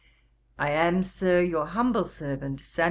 'I am, Sir, 'Your humble servant, 'SAM.